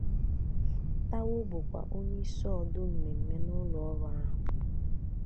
Tawo bụkwa onye isi ọdụ mmemme n'ụlọ ọrụ ahụ.